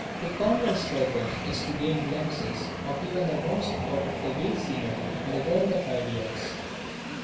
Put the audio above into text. To converse with him is to gain glimpses of even the most out of the way scenery in the world of ideas.